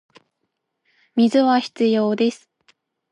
水は必要です